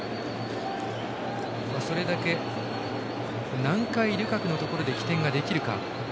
それだけ何回ルカクのところで起点ができるか。